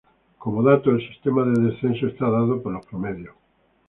Como dato, el sistema de descensos está dado por los Promedios.